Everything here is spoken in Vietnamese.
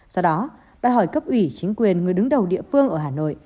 do đó đòi hỏi cấp ủy chính quyền người đứng đầu địa phương ở hà nội